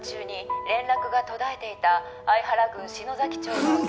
「連絡が途絶えていた相原郡篠崎町の」